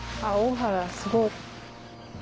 あっ大原すごい。